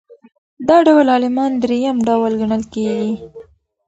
دا ډول عالمان درېیم ډول ګڼل کیږي.